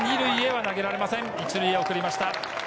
１塁へ送りました。